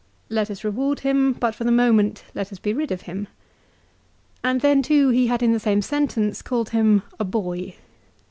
"Let us reward him, but for the moment let us be rid of him." And then too he had in the same sentence called him a boy.